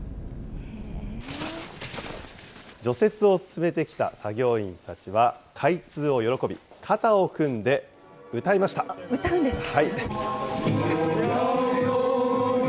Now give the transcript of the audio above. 除雪を進めてきた作業員たちは、開通を喜び、肩を組んで歌い歌うんですか。